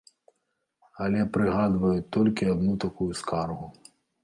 Але прыгадваюць толькі адну такую скаргу.